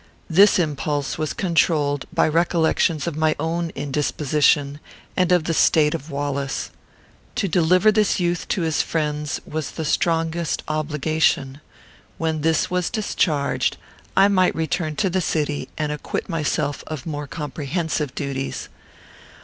This impulse was controlled by recollections of my own indisposition, and of the state of Wallace. To deliver this youth to his friends was the strongest obligation. When this was discharged, I might return to the city, and acquit myself of more comprehensive duties.